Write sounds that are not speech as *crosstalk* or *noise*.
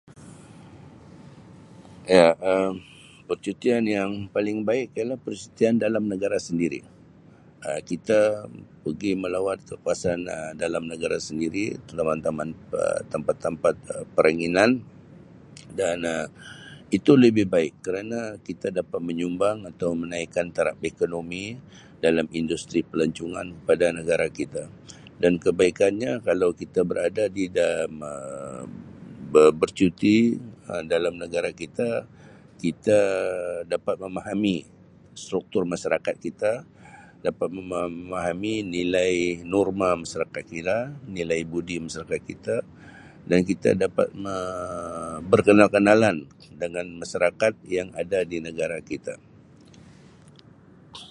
Ya, Um percutian yang paling baik ialah percutian dalam negara sendiri Um kita pergi melawat ke kawasan Um dalam negara sendiri, taman-taman Um tempat-tempat Um peranginan dan Um itu lebih baik kerana kita dapat menyumbang atau menaikkan taraf ekonomi dalam industri pelancongan pada negara kita dan kebaikannya kalau kita berada di *unintelligible* Um ber-bercuti Um dalam negara kita, kita dapat memahami struktur masyarakat kita, dapat memahami nilai norma masyarakat kita, nilai budi masyarakat kita dan kita dapat Um berkenal-kenalan dengan masyarakat yang ada di negara kita.